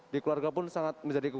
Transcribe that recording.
di keluarga pun sangat menjadi